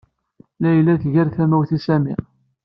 Layla tger tamawt i Sami.